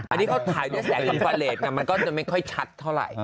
หัวนี้เขาถ่ายแซมกว่าเร็ดกันมันก็จะไม่ค่อยชัดเท่าไร